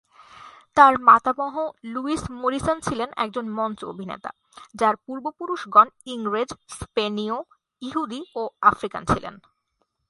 তার মাতামহ Louis Morrison ছিলেন একজন মঞ্চ অভিনেতা, যার পূর্বপুরুষগণ ইংরেজ, স্পেনীয়, ইহুদি ও আফ্রিকান ছিলেন।